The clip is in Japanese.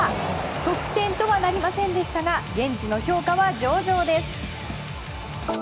得点とはなりませんでしたが現地の評価は上々です。